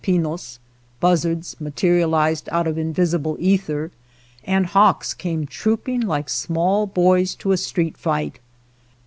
Pinos, buzzards, materialized out of invis ible ether, and hawks came trooping like small boys to a street fight.